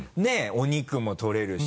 お肉もとれるし。